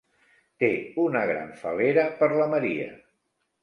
Té una gran fal·lera per la Maria.